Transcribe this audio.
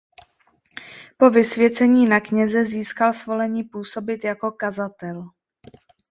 Po vysvěcení na kněze získal svolení působit jako kazatel.